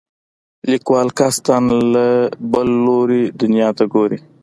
لیکوال قصدا له بل لیدلوري دنیا ته ګوري.